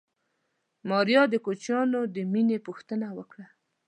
ماريا د کوچيانو د مېنې پوښتنه وکړه.